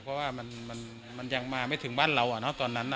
เพราะว่ามันยังมาไม่ถึงบ้านเราอ่ะเนาะตอนนั้นอ่ะครับ